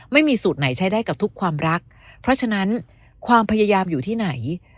ไม่มีสูตรไหนใช้ได้กับทุกความรักเพราะฉะนั้นความพยายามอยู่ที่ไหน